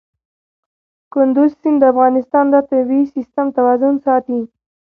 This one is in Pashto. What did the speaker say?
کندز سیند د افغانستان د طبعي سیسټم توازن ساتي.